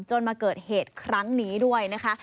มาเกิดเหตุครั้งนี้ด้วยนะคะ